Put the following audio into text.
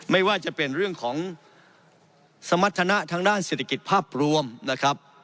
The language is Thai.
ไม่ว่าจะเป็นเรื่องของสมรรถนะทางด้านเศรษฐกิจภาพรวมนะครับ